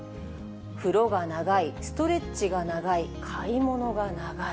風呂が長い、ストレッチが長い、買い物が長い。